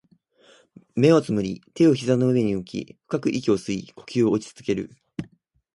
目を瞑り、手を膝の上に置き、深く息を吸い、呼吸を落ち着ける